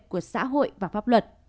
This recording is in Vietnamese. của xã hội và pháp luật